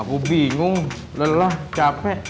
aku bingung lelah capek